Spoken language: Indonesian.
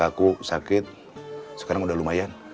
aku sakit sekarang udah lumayan